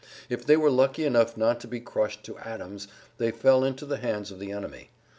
If they were lucky enough not to be crushed to atoms they fell into the hands of the enemy.